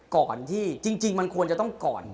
ก่อนที่จริงมันควรจะต้องก่อน